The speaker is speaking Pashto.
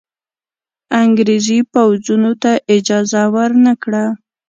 انګرېزي پوځونو ته اجازه ورنه کړه.